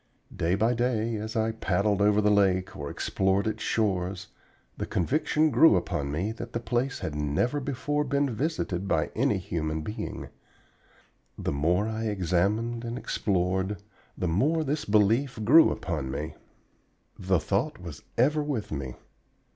Day by day as I paddled over the lake or explored its shores the conviction grew upon me that the place had never before been visited by any human being. The more I examined and explored, the more this belief grew upon me. The thought was ever with me.